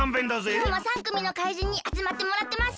きょうも３くみの怪人にあつまってもらってます。